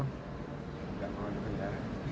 enggak mau dibayar